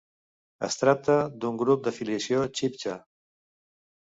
Es tracta d'un grup de filiació txibtxa.